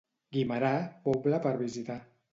Guimerà, poble per visitar.